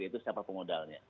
yaitu siapa pemodalnya